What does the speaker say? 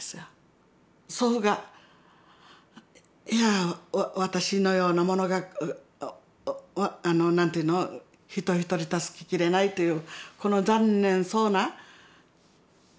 祖父がいや私のような者があの何ていうの人ひとり助けきれないっていうこの残念そうな。